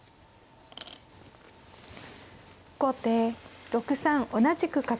後手６三同じく角。